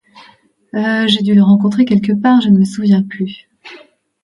J’ai dû le rencontrer quelque part, je me souviens plus...